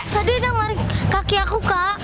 tadi dad lari kaki aku kak